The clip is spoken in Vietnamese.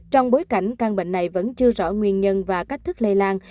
trong bối cảnh căn bệnh này vẫn chưa rõ nguyên nhân và cách thức lây lan